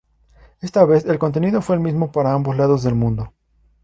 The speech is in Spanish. Esta vez, el contenido fue el mismo para ambos lados del mundo.